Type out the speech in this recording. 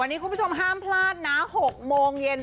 วันนี้คุณผู้ชมห้ามพลาดนะ๖โมงเย็น